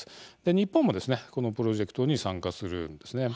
日本も、このプロジェクトに参加するんですね。